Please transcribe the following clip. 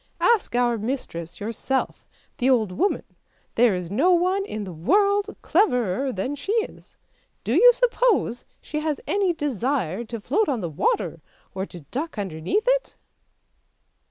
Ask our mistress yourself, the old woman, there is no one in the world cleverer than she is. Do you suppose she has any desire to float on the water, or to duck underneath it?